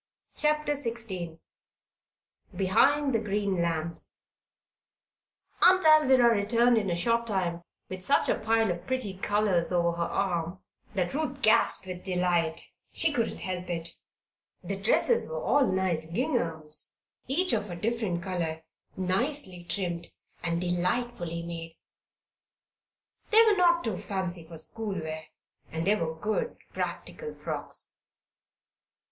CHAPTER XVI BEHIND THE GREEN LAMPS Aunt Alvirah returned in a short time with such a pile of pretty colors over her arm that Ruth gasped with delight, she couldn't help it The dresses were all nice ginghams, each of a different color, nicely trimmed and delightfully made. They were not too fancy for school wear, and they were good, practical frocks.